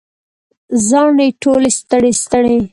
زاڼې ټولې ستړي، ستړي